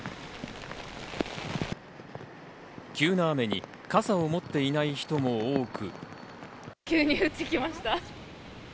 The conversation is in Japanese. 急な雨に傘を持っていない人も多く。